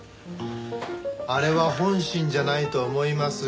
あれは本心じゃないと思いますよ。